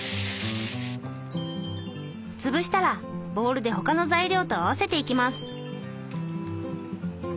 潰したらボウルで他の材料と合わせていきます。